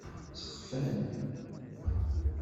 Ttexfan.